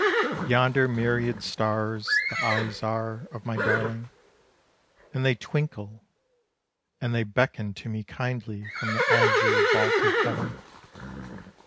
Yonder myriad stars the eyes are Of my darling, and they twinkle, And they beckon to me kindly From the azure vault of heaven.